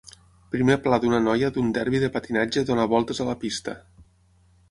Primer pla d'una noia d'un derbi de patinatge dóna voltes a la pista.